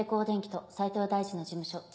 電機と斎藤大臣の事務所